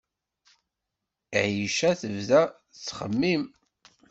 Ɛica tebda tettxemmim.